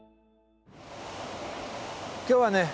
今日はね